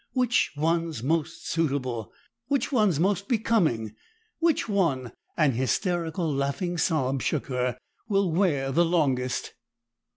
"Which one's most suitable? Which one's most becoming? Which one" an hysterical laughing sob shook her "will wear the longest?"